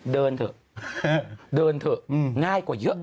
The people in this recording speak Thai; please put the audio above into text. เดินเถอะเดินเถอะง่ายกว่าเยอะ